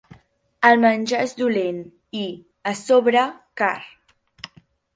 El menjar és dolent i, a sobre, car.